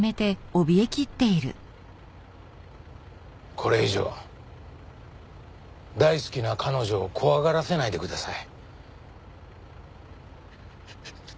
これ以上大好きな彼女を怖がらせないでください。